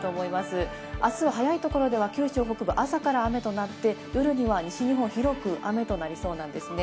明日早いところでは九州北部、朝から雨となって、夜には西日本、広く雨となりそうです。